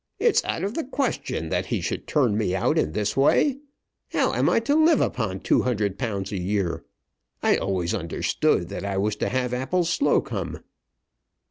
It's out of the question that he should turn me out in this way. How am I to live upon £200 a year? I always understood that I was to have Appleslocombe."